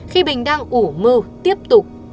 khi bình đang ủ mơ tiếp tục